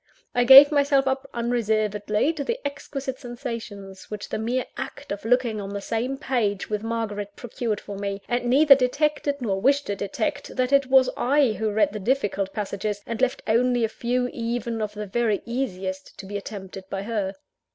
I gave myself up unreservedly to the exquisite sensations which the mere act of looking on the same page with Margaret procured for me; and neither detected, nor wished to detect, that it was I who read the difficult passages, and left only a few even of the very easiest to be attempted by her.